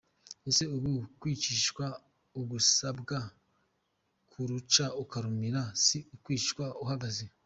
Ese uku kwicirwa ugasabwa kuruca ukarumira si ukwicwa uhagaze ?